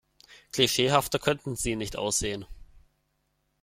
Klischeehafter könnten Sie nicht aussehen.